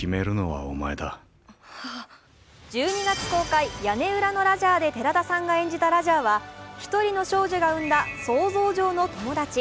１２月公開「屋根裏のラジャー」で寺田さんが演じたラジャーは１人の少女が生んだ想像上の友達。